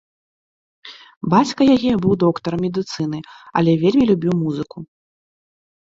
Бацька яе быў доктарам медыцыны, але вельмі любіў музыку.